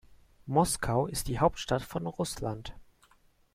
Moskau ist die Hauptstadt von Russland.